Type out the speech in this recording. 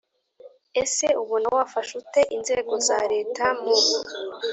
Ese ubona wafasha ute inzego za Leta mu